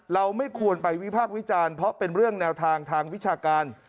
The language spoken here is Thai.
เราไม่ควรไปวิพากษ์วิจารณ์เพราะเป็นเรื่องแนวทางทางวิชาการ